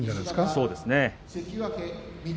そうですね。